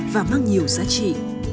và mang nhiều giá trị